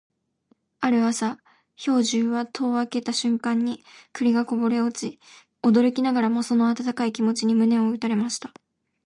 ある朝、兵十は戸を開けた瞬間に栗がこぼれ落ち、驚きながらもその温かい気持ちに胸を打たれました。